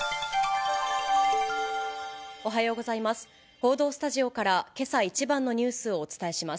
報道スタジオから、けさ一番のニュースをお伝えします。